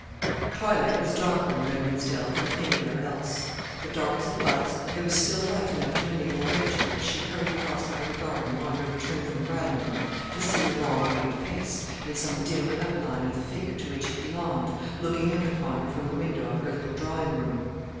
Twilight was darker in Redman's Dell than anywhere else. But dark as it was, there was still light enough to enable Rachel, as she hurried across the little garden, on her return from Brandon, to see a long white face, and some dim outline of the figure to which it belonged, looking out upon her from the window of her little drawing room.